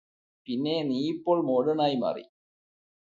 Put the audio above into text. പിന്നെ നീയിപ്പോൾ മോഡേണായി മാറി